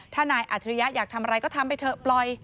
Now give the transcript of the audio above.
ถ้านายอัจฉริยะอยากทำอะไรก็ทำไปเถอะปล่อย